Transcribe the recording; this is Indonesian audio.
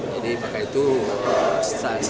jadi maka itu status